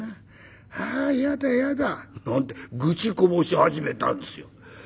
あやだやだ」なんて愚痴こぼし始めたんですよ。